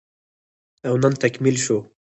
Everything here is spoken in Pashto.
او نن تکميل شو